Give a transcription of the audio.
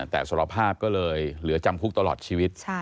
แต่สารภาพก็เลยเหลือจำคุกตลอดชีวิต